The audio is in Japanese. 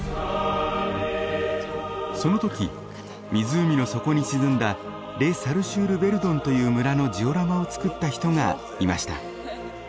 その時湖の底に沈んだレ・サル・シュール・ヴェルドンという村のジオラマを作った人がいました。